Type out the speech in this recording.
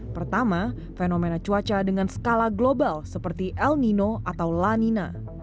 pertama fenomena cuaca dengan skala global seperti el nino atau lanina